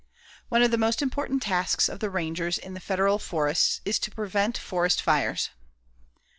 One of the most important tasks of the rangers in the Federal forests is to prevent forest fires.